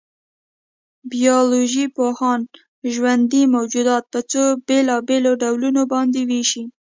بایولوژيپوهان ژوندي موجودات په څو بېلابېلو ډولونو باندې وېشي.